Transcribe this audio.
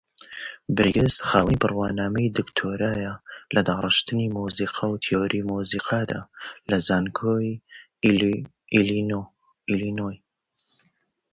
Briggs holds a Doctorate in Musical Composition and Theory from the University of Illinois.